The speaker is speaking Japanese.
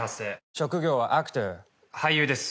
職業はアクター、俳優です。